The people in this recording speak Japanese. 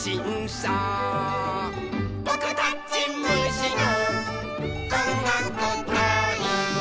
「ぼくたちむしのおんがくたい」